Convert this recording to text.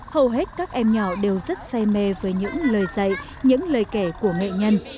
hầu hết các em nhỏ đều rất say mê với những lời dạy những lời kể của nghệ nhân